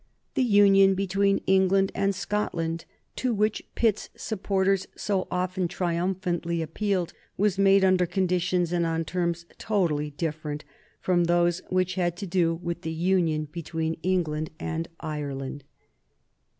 The union between England and Scotland, to which Pitt's supporters so often triumphantly appealed, was made under conditions and on terms totally different from those which had to do with the union between England and Ireland.